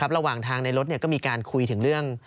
ระหว่างทางในรถก็มีการคุยถึงเรื่อง